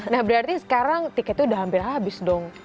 nah berarti sekarang tiketnya udah hampir habis dong